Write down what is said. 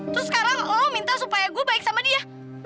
terus sekarang oh minta supaya gue baik sama dia